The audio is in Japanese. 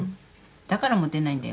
だからモテないんだよ。